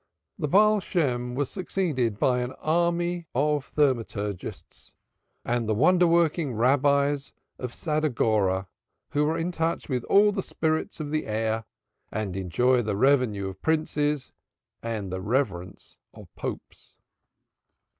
Baal Shem was succeeded by an army of thaumaturgists, and the wonder working Rabbis of Sadagora who are in touch with all the spirits of the air enjoy the revenue of princes and the reverence of Popes.